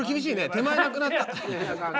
手前なくなった。